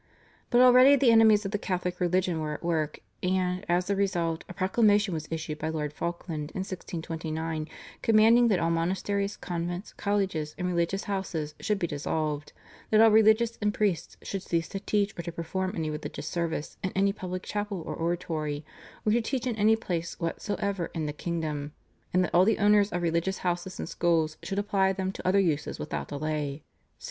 But already the enemies of the Catholic religion were at work, and, as a result, a proclamation was issued by Lord Falkland in 1629 commanding that all monasteries, convents, colleges, and religious houses should be dissolved, that all religious and priests should cease to teach or to perform any religious service in any public chapel or oratory, or to teach in any place whatsoever in the kingdom, and that all owners of religious houses and schools should apply them to other uses without delay (1629).